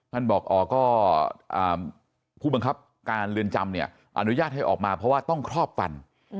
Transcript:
ท่านบอกอ๋อก็ผู้บังคับการเรือนจำเนี่ยอนุญาตให้ออกมาเพราะว่าต้องครอบฟัน